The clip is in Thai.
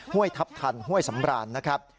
ห้วยทัพทันห้วยสำราญนะครับ